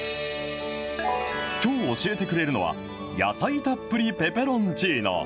きょう教えてくれるのは、野菜たっぷりペペロンチーノ。